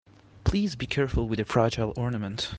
Please be careful with the fragile ornament.